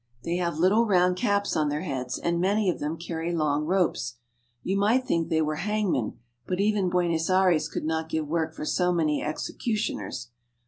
They have little round caps on their heads, and many of them carry long ropes. You might think they were hangmen, but even Buenos Aires could not give work for so many executioners.